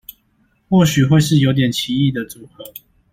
或許會是有點奇異的組合